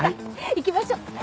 行きましょう！